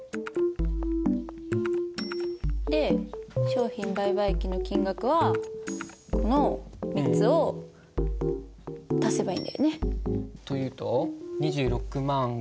商品売買益の金額はこの３つを足せばいいんだよね？というと２６万５，０００円？